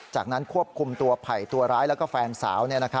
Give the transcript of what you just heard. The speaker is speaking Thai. จากนั้นควบคุมตัวไผ่ตัวร้ายแล้วก็แฟนสาว